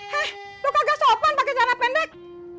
hei lo kagak sopan pakai cara pendek